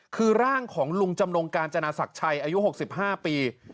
คือร่างของลุงจำนงกาญจนาศักดิ์ชัยอายุ๖๕ปี